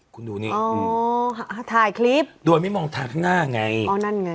คุณดูนี่อ๋อถ่ายคลิปโดยไม่มองทางข้างหน้าไงอ๋อนั่นไง